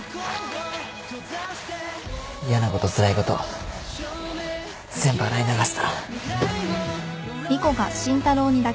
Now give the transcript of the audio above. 嫌なことつらいこと全部洗い流せたら。